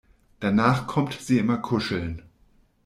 Danach kommt sie immer kuscheln.